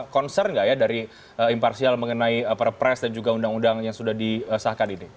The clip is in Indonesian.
concern nggak ya dari imparsial mengenai perpres dan juga undang undang yang sudah disahkan ini